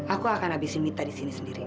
aku akan habisin mita di sini sendiri